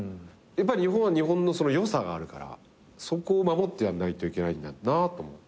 日本は日本の良さがあるからそこを守ってやんないといけないんだなと。